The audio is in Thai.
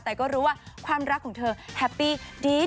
แต่ก็รู้ว่าความรักของเธอแฮปปี้ดี